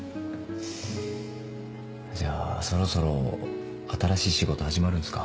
じゃあそろそろ新しい仕事始まるんですか？